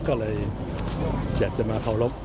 ก็เลยอยากจะมาเคารพ